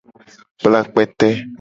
Kpla kpete.